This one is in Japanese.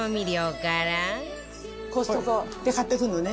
コストコで買ってくるのね。